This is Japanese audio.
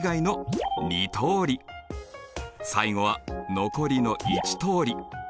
最後は残りの１通り。